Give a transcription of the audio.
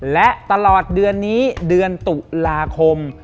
และตลอดเดือนนี้เดือนตุลาคม